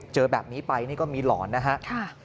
เจอแบบนี้ไปนี่ก็มีหลอนนะครับ